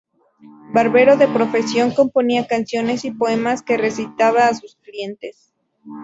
Barbero de profesión, componía canciones y poemas que recitaba a sus clientes.